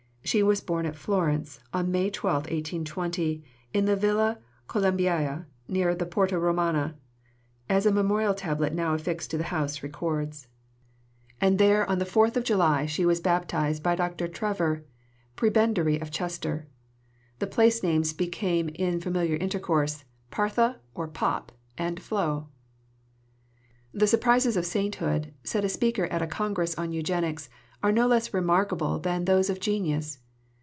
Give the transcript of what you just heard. She was born at Florence on May 12, 1820, in the Villa Colombaia, near the Porta Romana, as a memorial tablet now affixed to the house records; and there on the 4th of July she was baptized by Dr. Trevor, Prebendary of Chester. The place names became in familiar intercourse "Parthe" or "Pop," and "Flo." "The surprises of sainthood," said a speaker at a Congress on Eugenics, "are no less remarkable than those of genius.